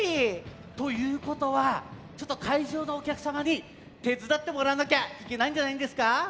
ということはちょっとかいじょうのおきゃくさまにてつだってもらわなきゃいけないんじゃないですか。